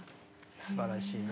すばらしいね。